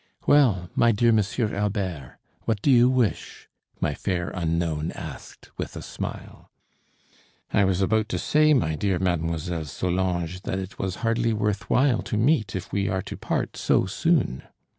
"Well, my dear M. Albert, what do you wish?" my fair unknown asked with a smile. "I was about to say, my dear Mlle. Solange, that it was hardly worth while to meet if we are to part so soon."